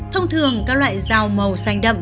thông thường các loại rau màu xanh đậm